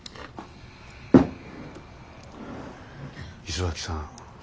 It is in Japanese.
磯崎さん